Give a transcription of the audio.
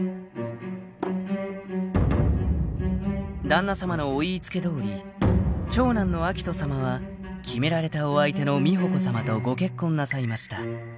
［旦那さまのお言い付けどおり長男の明人さまは決められたお相手の美保子さまとご結婚なさいました］